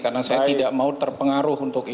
karena saya tidak mau terpengaruh untuk itu